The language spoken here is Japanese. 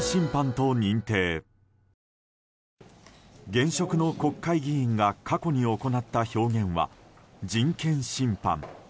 現職の国会議員が過去に行った表現は人権侵犯。